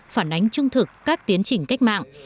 phản ánh trung thực các tiến chỉnh cách mạng